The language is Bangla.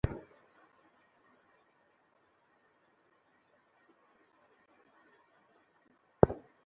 পরে জেলা প্রশাসনের আয়োজনে শিল্পকলা একাডেমি মিলনায়তনে মুক্তিযোদ্ধাদের সংবর্ধনা প্রদান করা হয়।